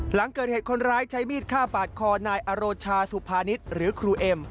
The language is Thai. หลังเกิดเหตุคนร้ายใช้มีดฆ่าปาดคอนายอโรชาสุภานิษฐ์หรือครูเอ็ม